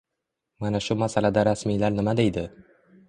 Mana shu masalada rasmiylar nima deydi?